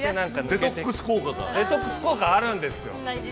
◆デトックス効果があるんですよ。